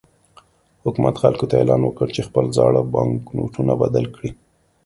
حکومت خلکو ته اعلان وکړ چې خپل زاړه بانکنوټونه بدل کړي.